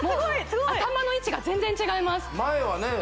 もう頭の位置が全然違います前はね